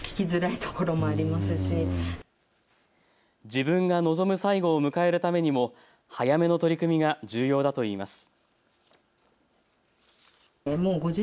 自分が望む最期を迎えるためにも早めの取り組みが重要だといいます。